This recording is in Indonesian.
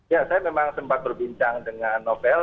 ya saya memang sempat berbincang dengan novel